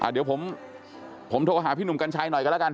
เดี๋ยวผมโทรฟับพี่หนุ่มกันชัยหน่อยกัน